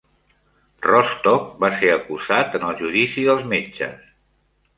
Rostock va ser acusat en el judici dels metges.